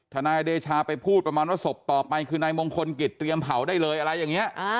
นายเดชาไปพูดประมาณว่าศพต่อไปคือนายมงคลกิจเตรียมเผาได้เลยอะไรอย่างนี้